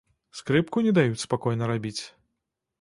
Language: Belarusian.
Скрыпку не даюць спакойна рабіць.